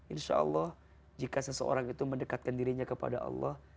insya allah jika seseorang itu mendekatkan dirinya kepada allah